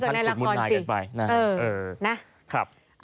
ดูจากในละครสินะครับ